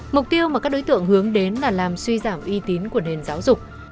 mục tiêu mà các đối tượng hướng đến là làm suy giảm uy tín của nền giáo dục